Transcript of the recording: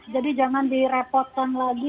jadi jangan direpotkan lagi